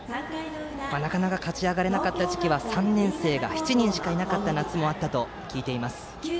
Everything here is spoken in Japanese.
なかなか勝ち上がれなかった時期は３年生が７人しかいなかった夏もあったと聞いています。